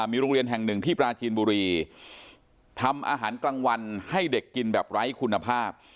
มีโรงเรียนแห่งหนึ่งที่ปราจีนบุรีทำอาหารกลางวันให้เด็กกินแบบไร้คุณภาพ